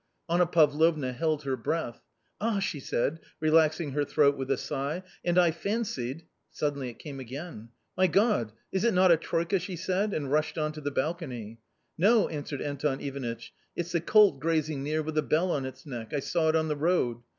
Anna Pavlovna held her breath. " Ah !" she said, relaxing her throat with a sigh, " and I fancied " Suddenly it came again. " My God ! is it not a troika ?" she said, and rushed on to the balcony. "No," answered Anton Ivanitch, "it's the colt grazing near with a bell on its neck ; I saw it on the road.